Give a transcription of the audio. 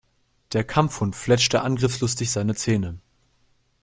Der Kampfhund fletschte angriffslustig seine Zähne.